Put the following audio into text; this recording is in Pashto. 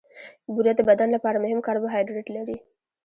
بوره د بدن لپاره مهم کاربوهایډریټ لري.